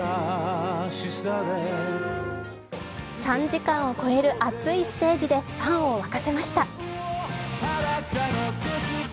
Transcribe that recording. ３時間を超える熱いステージでファンを沸かせました。